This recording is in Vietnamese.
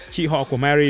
chị họ của mary